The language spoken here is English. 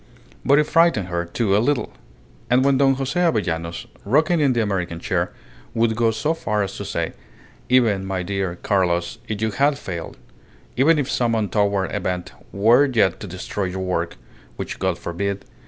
But it frightened her, too, a little; and when Don Jose Avellanos, rocking in the American chair, would go so far as to say, "Even, my dear Carlos, if you had failed; even if some untoward event were yet to destroy your work which God forbid!